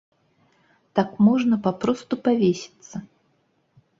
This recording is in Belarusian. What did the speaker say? Так можна папросту павесіцца.